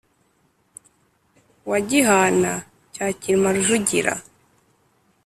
wa Gihana cya Cyilima Rujugira